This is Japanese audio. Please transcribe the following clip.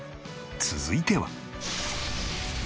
続いては。